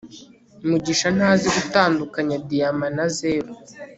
mugisha ntazi gutandukanya diyama na zeru